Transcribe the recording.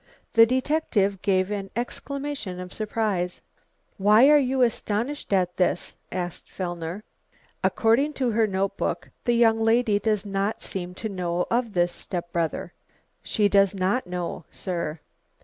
The detective gave an exclamation of surprise. "Why are you astonished at this?" asked Fellner. "According to her notebook, the young lady does not seem to know of this step brother." "She does not know, sir.